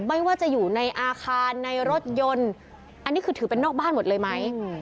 ไม่ว่าจะอยู่ในอาคารในรถยนต์อันนี้คือถือเป็นนอกบ้านหมดเลยไหม